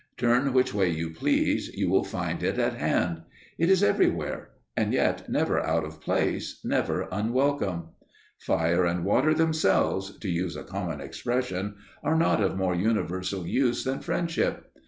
Turn which way you please, you will find it at hand. It is everywhere; and yet never out of place, never unwelcome. Fire and water themselves, to use a common expression, are not of more universal use than friendship.